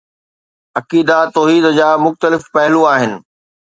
عقیده توحيد جا مختلف پهلو آهن